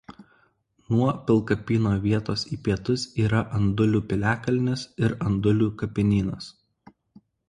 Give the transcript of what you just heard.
Nuo pilkapyno vietos į pietus yra Andulių piliakalnis ir Andulių kapinynas.